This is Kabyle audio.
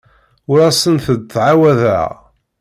Ur asent-d-ttɛawadeɣ.